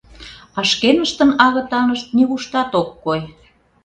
А шкеныштын агытанышт нигуштат ок кой.